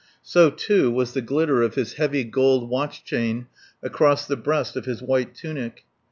So, too, was the glitter of his heavy gold watch chain across the breast of his white tunic.